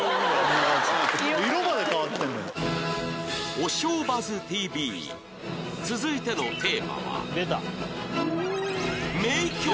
『おしょうバズ ＴＶ』続いてのテーマは